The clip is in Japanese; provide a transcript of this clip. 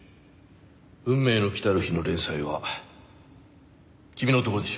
『運命の来たる日』の連載は君のところでしよう。